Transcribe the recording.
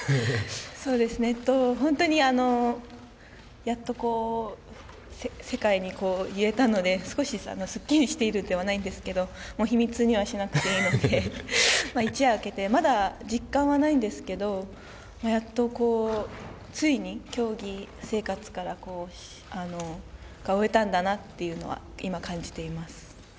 そうですね、本当、やっと世界に言えたので、少しすっきりしているんではないんですけど、秘密にはしなくていいので、一夜明けて、まだ実感はないんですけど、やっと、ついに、競技生活から、終えたんだなっていうのは、今、感じています。